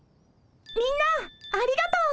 みんなありがとう。